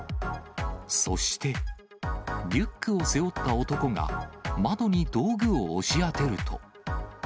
そして、リュックを背負った男が、窓に道具を押し当てると。